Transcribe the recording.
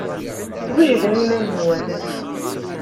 Swejdem iman-nwen!